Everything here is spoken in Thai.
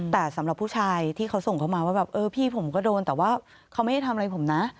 แต่สำหรับผู้ชายที่เขาส่งเข้ามาว่าแบบเออพี่ผมก็โดนแต่ว่าเขาไม่ได้ทำอะไรผมนะ